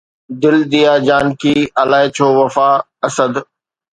دل ديا جانڪي الائي ڇو وفا، اسد